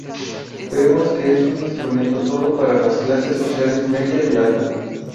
Vemos que es un instrumento solo para las clases sociales media y alta.